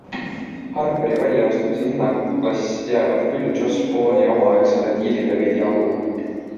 Harperi väljaostmise hinnaklass jäävat küll Josh Boone'i omaaegsele diilile veidi alla.